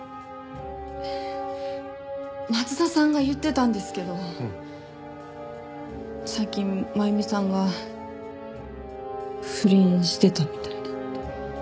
松田さんが言ってたんですけど最近真弓さんが不倫してたみたいで。